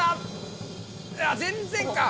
全然か。